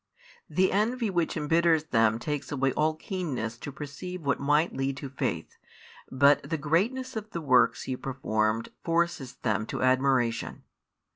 The envy which embitters them takes away all keenness to perceive what might lead to faith, but the greatness of the works He performed forces them to admiration.